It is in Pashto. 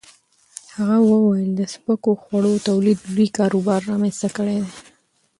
هغه وویل د سپکو خوړو تولید لوی کاروبار رامنځته کړی دی.